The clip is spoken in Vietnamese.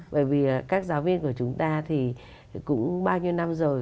bởi vì các giáo viên của chúng ta thì cũng bao nhiêu năm rồi